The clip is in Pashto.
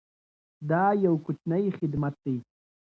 دا یو کوچنی خدمت دی.